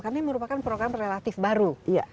karena ini merupakan program relatif baru